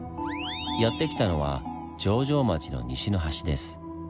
やって来たのは城上町の西の端です。